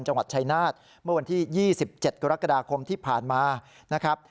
จังหวัดชัยนาศน์เมื่อวันที่๒๗กรกฎาคมที่ผ่านมา